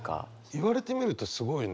言われてみるとすごいね。